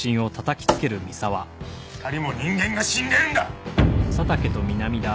２人も人間が死んでるんだ。